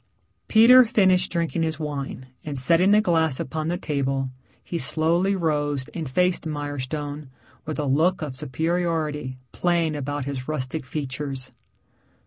Peter finished drinking his wine and setting the glass upon the table, he slowly rose and faced Mirestone with a look of superiority playing about his rustic features.